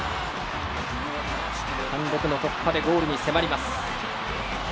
単独の突破でゴールに迫ります。